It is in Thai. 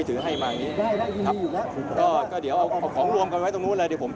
อเจมส์ของมักกองตรงนี้แล้วตัวเข้ามา